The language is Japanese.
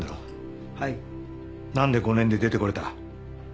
何で５年で出てこれた？